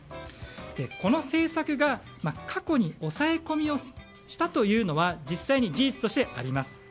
この政策が、過去に抑え込みをしたというのは実際に事実としてあります。